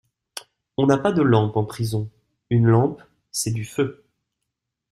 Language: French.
On n'a pas de lampe en prison ; une lampe c'est du feu.